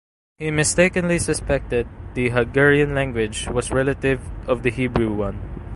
He mistakenly suspected that the Hungarian language was relative of the Hebrew one.